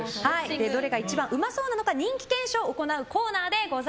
どれが一番うまそうなのか人気検証を行うコーナーです。